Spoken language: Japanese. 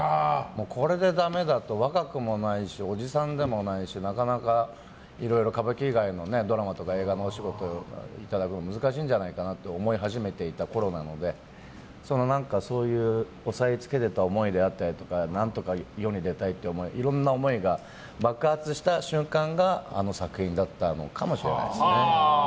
これでだめだったら若くもないしおじさんでもないしなかなか、いろいろ歌舞伎以外のドラマとか映画のお仕事をいただくの難しいんじゃないかなと思い始めていたころなのでそういう押さえつけていた思いであったりとか何とか世に出たいっていういろんな思いが爆発した瞬間があの作品だったのかもしれないです。